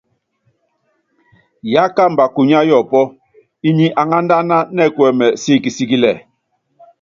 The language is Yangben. Yákamba kunya yɔpɔ́, inyi anándána nɛkuɛmɛ sikikisikilɛ.